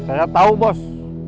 saya tau bos